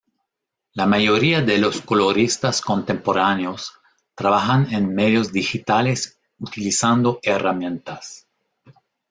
La mayoría de los coloristas contemporáneos trabajan en medios digitales utilizando herramientas.